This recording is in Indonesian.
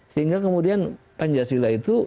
sehingga kemudian pancasila itu